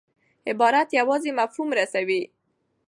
عبارت یوازي مفهوم رسوي.